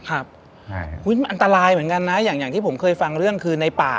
มันอันตรายเหมือนกันนะอย่างที่ผมเคยฟังเรื่องคือในป่า